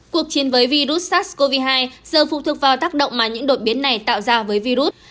cuộc chiến với virus sars cov hai giờ phụ thuộc vào tác động mà những đột biến này tạo ra với virus